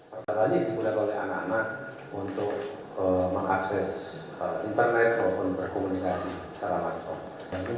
padahal ini digunakan oleh anak anak untuk mengakses internet maupun berkomunikasi secara langsung